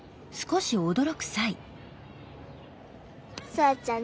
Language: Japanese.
さーちゃん